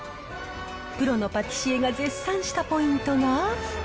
プロのパティシエが絶賛したポイントが。